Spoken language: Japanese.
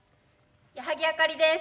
矢作あかりです。